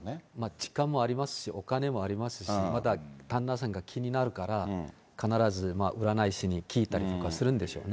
時間もありますし、お金もありますし、また旦那さんが気になるから、必ず占い師に聞いたりとかするんでしょうね。